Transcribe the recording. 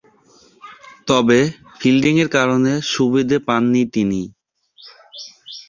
তবে, ফিল্ডিংয়ের কারণে সুবিধে পাননি তিনি।